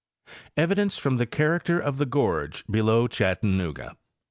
Evidence from the Character of the Gorge below Chattanooga.